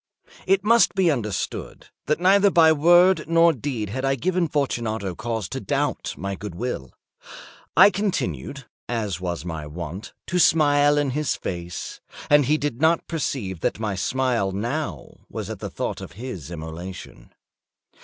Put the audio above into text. It must be understood, that neither by word nor deed had I given Fortunato cause to doubt my good will. I continued, as was my wont, to smile in his face, and he did not perceive that my smile now was at the thought of his immolation.